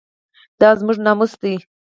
دا زموږ ناموس دی؟